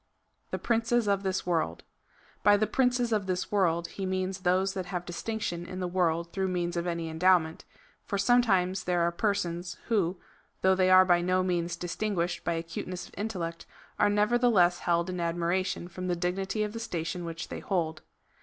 The princes of this world. By the princes of this world he means those that have distinction in the world through means of any endowment, for sometimes there are persons, who, though they are by no means distinguished by acute ness of intellect, are nevertheless held in admiration from the dignity of the station which they hold.